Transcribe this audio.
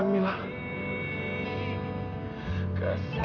kamu gak benci sama aku kan mila